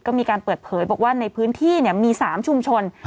ก็มีการเปิดเผยบอกว่าในพื้นที่มี๓ชุมชน